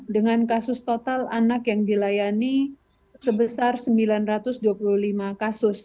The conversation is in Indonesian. lima ratus tujuh puluh lima dengan kasus total anak yang dilayani sebesar sembilan ratus dua puluh lima kasus